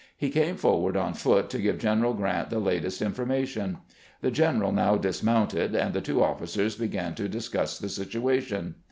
He came forward on foot to give General Grant the lat est information. The general now dismounted, and the two officers began to discuss the situation.